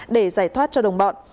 để giải thoát cho đồng bọn